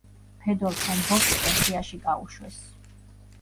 ფედორ ფონ ბოკი პენსიაში გაუშვეს.